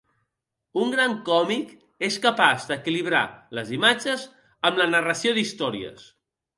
Un gran còmic és capaç d'equilibrar les imatges amb la narració d'històries.